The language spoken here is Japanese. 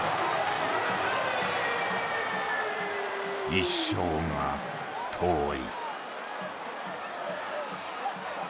一勝が遠い。